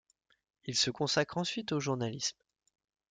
Il se consacre ensuite au journalisme.